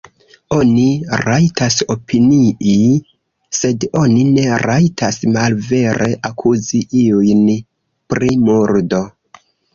Oni rajtas opinii, sed oni ne rajtas malvere akuzi iun pri murdo.